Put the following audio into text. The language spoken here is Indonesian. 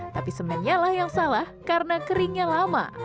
tapi semennya lah yang salah karena keringnya lama